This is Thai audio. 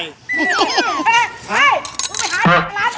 เฮ้ยต้องไปหาอย่างร้านอื่น